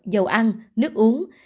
dầu ăn nước uống